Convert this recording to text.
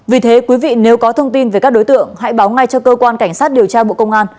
vì thế quý vị nếu có thông tin về các đối tượng hãy báo ngay cho cơ quan cảnh sát điều tra bộ công an